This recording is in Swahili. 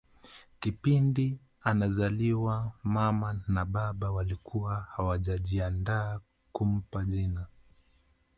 Kipindi anazaliwa mama na baba walikuwa hawajajiandaa kumpa jina